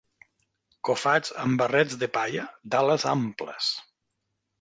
Cofats amb barrets de palla d'ales amples